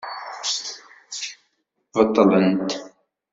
Beṭlent.